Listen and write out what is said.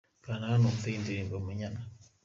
Kanda hano wumve iyi ndirimbo 'Munyana'.